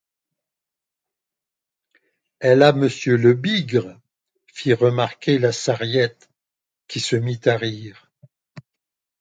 Elle a monsieur Lebigre, fit remarquer la Sarriette, qui se mit à rire.